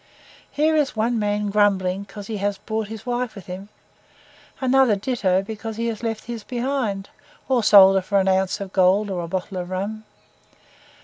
Here is one man grumbling because he has brought his wife with him, another ditto because he has left his behind, or sold her for an ounce of gold or a bottle of rum.